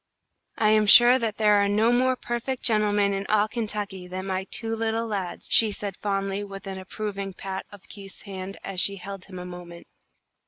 "I am sure that there are no more perfect gentlemen in all Kentucky than my two little lads," she said, fondly, with an approving pat of Keith's hand as she held him a moment.